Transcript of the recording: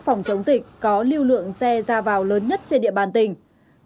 phòng chống dịch có lưu lượng xe ra vào lớn nhất trên địa bàn tỉnh